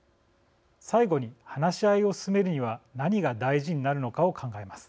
最後に、話し合いを進めるには何が大事になるのかを考えます。